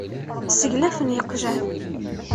Seglafen yeqjan.